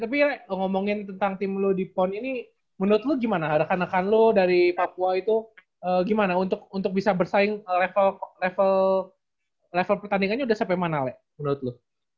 tapi le ngomongin tentang tim lu di pond ini menurut lu gimana rakan rakan lu dari papua itu gimana untuk bisa bersaing level pertandingannya udah sampai mana le menurut lu